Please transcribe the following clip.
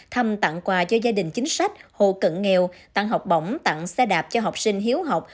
thăm tặng quà cho gia đình chính sách hộ cận nghèo tặng học bổng tặng xe đạp cho học sinh hiếu học